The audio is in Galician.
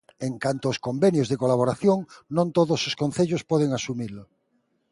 En canto aos convenios de colaboración, non todos os concellos poden asumilo.